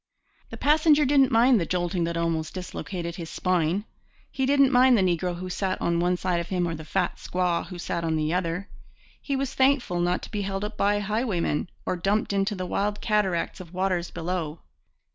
The passenger didn't mind the jolting that almost dislocated his spine. He didn't mind the negro who sat on one side of him or the fat squaw who sat on the other. He was thankful not to be held up by highwaymen, or dumped into the wild cataract of waters below.